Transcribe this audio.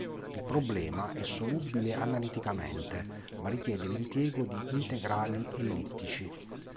Il problema è solubile analiticamente ma richiede l'impiego di integrali ellittici.